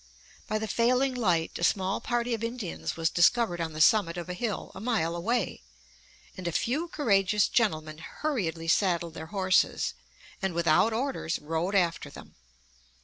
By the failing light a small party of Indians was discovered on the summit of a hill a mile away, and a few courageous gentlemen hurriedly saddled their horses, and, without orders, rode after them.